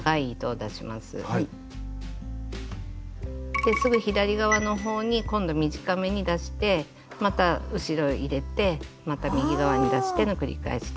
ですぐ左側の方に今度短めに出してまた後ろ入れてまた右側に出しての繰り返しで。